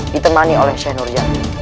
ditemani oleh sheikh nur yani